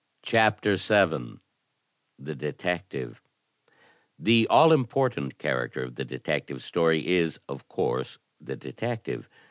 CHAPTER VII THE DETECTIVE The all important character of the Detective Story is, of course, the Detective.